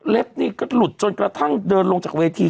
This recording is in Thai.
นี่ก็หลุดจนกระทั่งเดินลงจากเวที